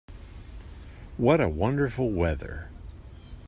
What a wonderful weather!